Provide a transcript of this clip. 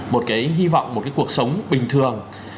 một cái hy vọng một cái cuộc sống bình thường